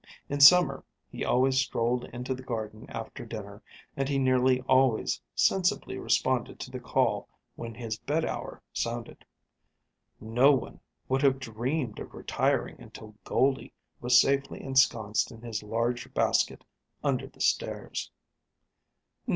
In summer he always strolled into the garden after dinner, and he nearly always sensibly responded to the call when his bed hour sounded. No one would have dreamed of retiring until Goldie was safely ensconced in his large basket under the stairs.